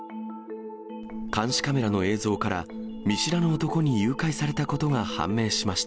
監視カメラの映像から、見知らぬ男に誘拐されたことが判明しました。